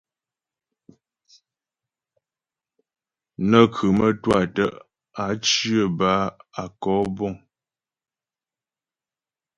Nə́ khʉ mə́twâ tə́ á cyə bə́ á kɔ'ɔ buŋ.